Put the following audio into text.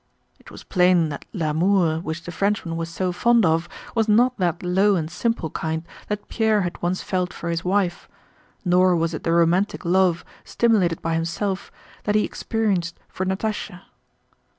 It was plain that l'amour which the Frenchman was so fond of was not that low and simple kind that Pierre had once felt for his wife, nor was it the romantic love stimulated by himself that he experienced for Natásha.